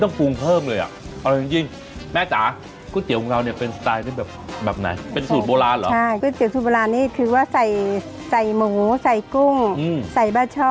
ก๋วยเตี๋ยวสูตรโบราณนี่คือว่าใส่ใส่หมูใส่กุ้งอืมใส่บ้าช่อ